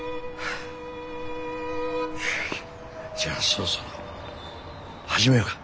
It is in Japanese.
じゃあそろそろ始めようか。